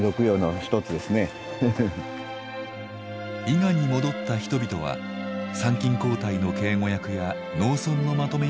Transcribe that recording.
伊賀に戻った人々は参勤交代の警護役や農村のまとめ役となっていきます。